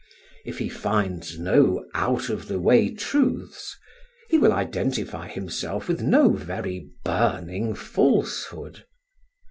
If he finds no out of the way truths, he will identify himself with no very burning falsehood.